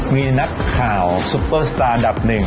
มีนักข่าวซุปเปอร์สตาร์อันดับหนึ่ง